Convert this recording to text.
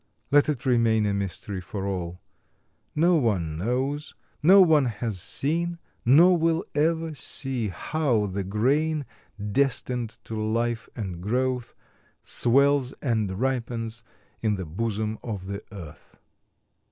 Let it remain a mystery for all. No one knows, no one has seen, nor will ever see, how the grain, destined to life and growth, swells and ripens in the bosom of the earth.